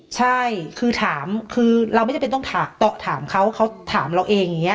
ใช่คือถามคือเราไม่จำเป็นต้องถามเขาเขาถามเราเองอย่างนี้